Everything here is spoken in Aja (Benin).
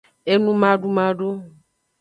Enumadumadu.